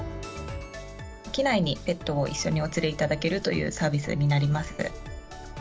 機内にペットを一緒にお連れいただけるというサービスになります。